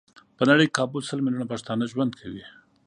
په نړۍ کې کابو سل ميليونه پښتانه ژوند کوي.